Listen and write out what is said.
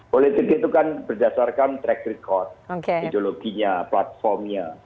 politik itu kan berdasarkan track record ideologinya platformnya